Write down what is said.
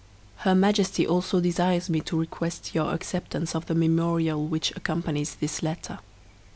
Her Majesty also desires me to request your acceptance of the memorial which accompanies this letter.